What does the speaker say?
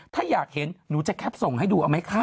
ถ้าอยากเห็นหนูจะแคปส่งให้ดูเอาไหมคะ